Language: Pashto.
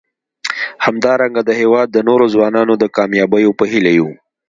همدارنګه د هیواد د نورو ځوانانو د کامیابیو په هیله یو.